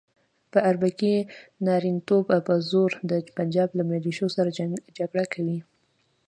په اربکي نارینتوب په زور د پنجاب له ملیشو سره جګړه کوي.